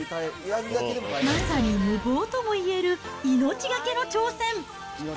まさに無謀ともいえる命懸けの挑戦。